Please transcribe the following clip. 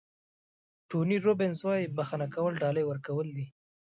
ټوني روبینز وایي بښنه کول ډالۍ ورکول دي.